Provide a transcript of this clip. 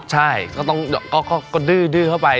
ใช่ก็ต้องดื้อเข้าไป